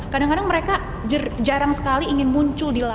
kadang kadang mereka jarang sekali ingin muncul di layar